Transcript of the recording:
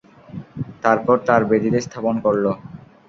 তারপর তার বেদিতে স্থাপন করল।